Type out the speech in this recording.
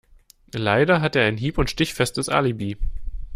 Leider hat er ein hieb- und stichfestes Alibi.